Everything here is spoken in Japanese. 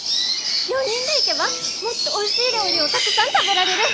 ４人で行けばもっとおいしい料理をたくさん食べられる！